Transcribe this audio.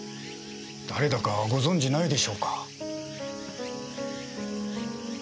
誰だかご存じないでしょうか？